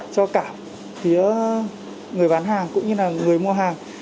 cho cả phía người bán hàng cũng như là người mua hàng